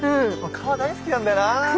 川大好きなんだよな。